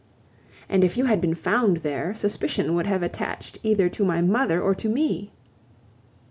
"And if you had been found there, suspicion would have attached either to my mother or to me..."